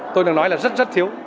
tôi đang nói là rất rất thiếu